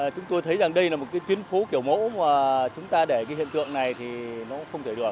chúng tôi thấy rằng đây là một cái tuyến phố kiểu mẫu mà chúng ta để cái hiện tượng này thì nó không thể được